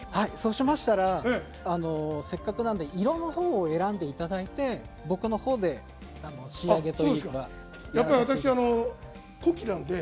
そうしましたらせっかくなので色のほうを選んでいただいて、僕のほうで仕上げというかやらせていただきます。